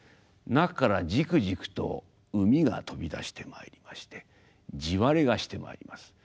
中からジクジクと膿が飛び出してまいりまして地割れがしてまいります。